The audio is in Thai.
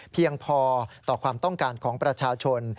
เพียงพอต่อความต้องการของประชาชน